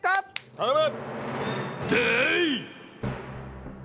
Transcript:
頼む！